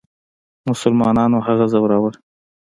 مسلمانانو هغه ځوراوه.